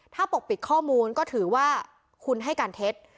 ถ้าปกปิดข้อมูลก็ถือว่าคุณให้การเท็จ